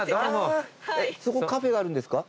そこカフェがあるんですか？